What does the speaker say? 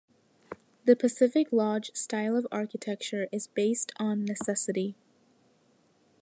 The "Pacific Lodge" style of architecture is based on necessity.